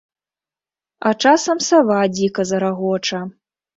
А часам сава дзіка зарагоча.